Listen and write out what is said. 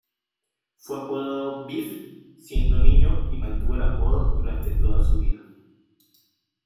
Fue apodado 'Biff' siendo niño y mantuvo el apodo durante toda su vida.